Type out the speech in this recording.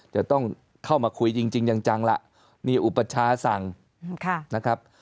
จะต้องเข้ามาคุยจริงจังล่ะมีอุปชาสั่งนะครับ